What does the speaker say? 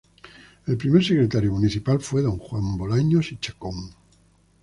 El primer Secretario Municipal fue don Juan Bolaños y Chacón.